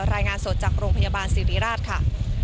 รายงานสดจากโรงพยาบาลสิริราชค่ะ